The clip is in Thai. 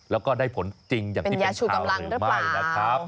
แล้วก็ได้ผลจริงอย่างที่เป็นข่าวหรือไม่นะครับ